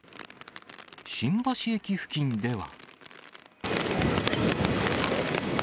新橋駅付近では。